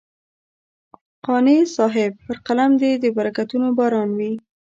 قانع صاحب پر قلم دې د برکتونو باران وي.